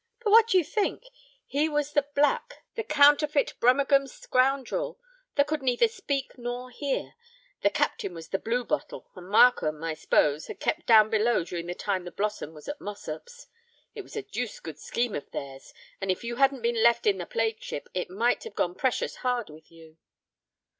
But what do you think? He was the Black—the counterfeit Brummagem scoundrel that could neither speak nor hear. The captain was the blue bottle; and Markham, I s'pose, had kept down below during the time the Blossom was at Mossop's. It was a deuced good scheme of theirs; and if you hadn't been left in the plague ship, it might have gone precious hard with you."